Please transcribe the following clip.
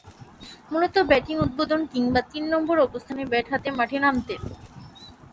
মূলতঃ ব্যাটিং উদ্বোধন কিংবা তিন নম্বর অবস্থানে ব্যাট হাতে মাঠে নামতেন।